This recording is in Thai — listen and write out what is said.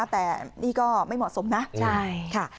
แต่นี่ก็ไม่เหมาะสมนะใช่ค่ะ